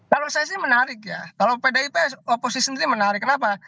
kalau saya sih menarik ya kalau pdip oposisi sendiri menarik kenapa